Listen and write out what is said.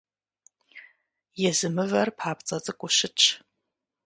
Езы мывэр папцӀэ цӀыкӀуу щытщ.